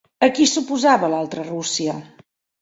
A qui s'oposava l'Altra Rússia?